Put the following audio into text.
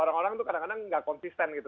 orang orang tuh kadang kadang gak konsisten gitu